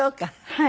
はい。